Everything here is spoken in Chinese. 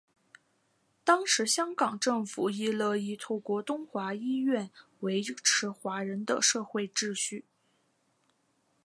当时香港政府亦乐意透过东华医院维持华人的社会秩序。